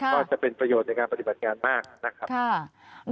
ก็จะเป็นประโยชน์ในการปฏิบัติงานมากนะครับ